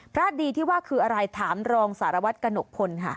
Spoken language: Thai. พระดีที่ว่าคืออะไรถามรองสารวัฒน์กนกพลค่ะ